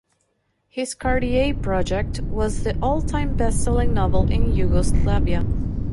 His "Cartier Project" was the all-time best-selling novel in Yugoslavia.